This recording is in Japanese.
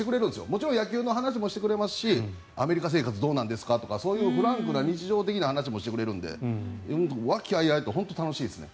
もちろん野球の話もしてくれますしアメリカ生活どうなんですかとかそういうフランクな日常的な話もしてくれるので和気あいあいと本当に楽しいですね。